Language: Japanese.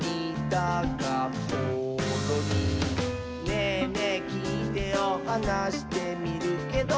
「『ねぇねぇきいてよ』はなしてみるけど」